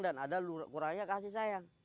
dan ada yang kurangnya kasih sayang